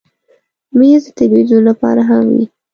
مېز د تلویزیون لپاره هم وي.